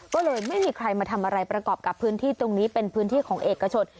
ก็เลยไม่มีใครมาทำอะไรประกอบกับพื้นที่ตรงนี้เป็นพื้นที่ของเอกชน